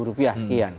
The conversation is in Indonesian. rp tujuh puluh sekian